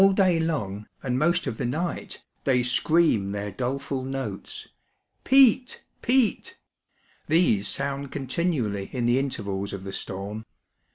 All day long, imd most of the night, they scream their doleful notes ŌĆö ^peet, peet ; these sound continually in the intervals of the storm.